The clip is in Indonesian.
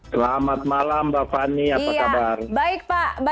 selamat malam mbak fani apa kabar